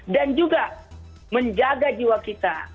dan juga menjaga jiwa kita